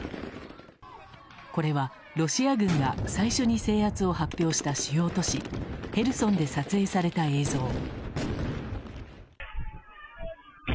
これは、ロシア軍が最初に制圧を発表した主要都市ヘルソンで撮影された映像。